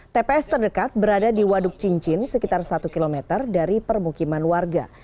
tps terdekat berada di waduk cincin sekitar satu km dari permukiman warga